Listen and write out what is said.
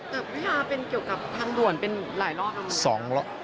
แต่พี่ฮาเป็นเกี่ยวกับทางด่วนเป็นหลายรอบแล้ว